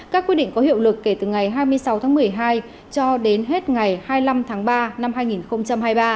các quy định có hiệu lực kể từ ngày hai mươi sáu tháng một mươi hai cho đến hết ngày hai mươi năm tháng ba năm hai nghìn hai mươi ba